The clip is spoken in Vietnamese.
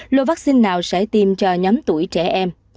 lô vaccine nào sẽ tiêm cho nhóm tuổi trẻ em